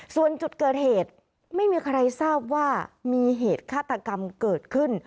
ส่วนจุดเกิดเหตุไม่มีใครทราบว่ามีเหตุฆาตกรรมเกิดขึ้น